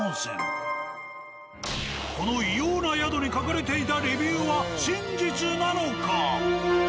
この異様な宿に書かれていたレビューは真実なのか！？